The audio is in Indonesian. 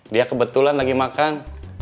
dia kebetulan lagi makan